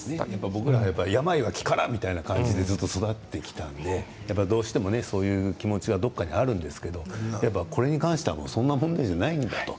僕らも、病は気からという感じでずっと育ってきていたのでずっと、どうしてもそういう気持ちがどこかにあるんですけど、これに関してはそういう問題じゃないんだと。